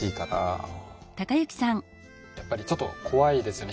やっぱりちょっと怖いですよね。